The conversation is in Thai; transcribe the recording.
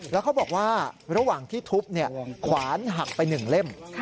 แล้วเขาบอกว่าระหว่างที่ทุบขวานหักไป๑เล่ม